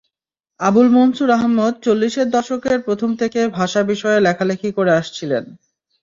আবুল মনসুর আহমদ চল্লিশের দশকের প্রথম থেকে ভাষা বিষয়ে লেখালেখি করে আসছিলেন।